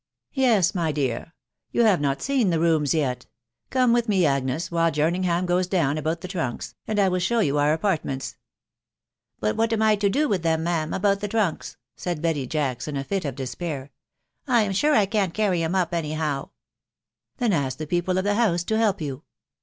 "Yes, my dear. .... You have not seen the rooms yet; come with me Agnes, while Jernisgham goes down about the trunks, and I will show you our apartments." " But what am I to do then, ma'am, about the trunks ?" *M Betty Jacks in & fit of despair ;" I'm sure I cwoft oasrj. *?/» up any how/' i »»" Then ask the people of the bouse to help you."